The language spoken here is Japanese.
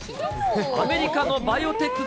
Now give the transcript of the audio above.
アメリカのバイオテック